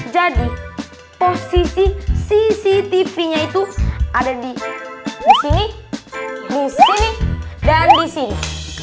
jadi posisi cctv nya itu ada di sini di sini dan di sini